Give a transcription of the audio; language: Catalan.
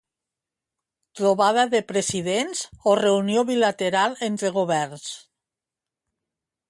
Trobada de presidents o reunió bilateral entre governs?